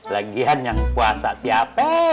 lagian yang puasa siapaa